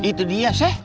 itu dia sih